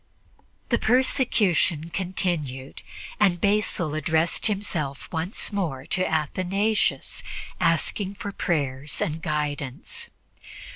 The persecution continued, and Basil addressed himself once more to Athanasius, asking for prayers and guidance.